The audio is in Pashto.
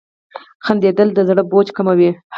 • خندېدل د زړه بوج کموي.